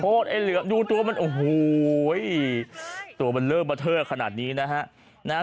โคตรเอ๋เหลือมดูตัวมันโอ้โหเว้ยตัวมันเลิกมาเทอะขนาดนี้นะฮะ